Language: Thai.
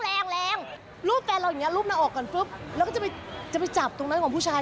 รูปแฟนเราอย่างนี้รูปหน้าอกก่อนแล้วก็จะไปจับตรงนั้นของผู้ชาย